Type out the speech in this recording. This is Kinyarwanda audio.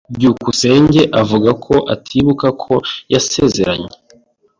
byukusenge avuga ko atibuka ko yasezeranye.